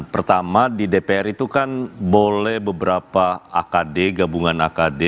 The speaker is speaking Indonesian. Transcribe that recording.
pertama di dpr itu kan boleh beberapa akd gabungan akd